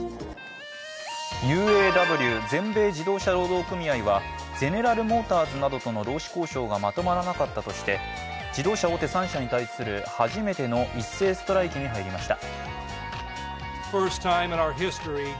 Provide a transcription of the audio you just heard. ＵＡＷ＝全米自動車労働組合は、ゼネラルモーターズなどとの労使交渉がまとまらなかったとして自動車大手３社に対する初めての一斉ストライキに入りました。